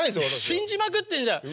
信じまくってんじゃん。